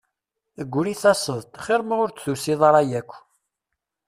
Gri taseḍ-d xir ma ur d-tusiḍ ara yakk.